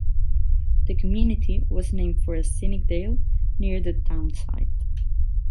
The community was named for a scenic dale near the town site.